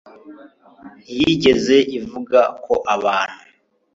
ntiyigeze ivuga ko abantu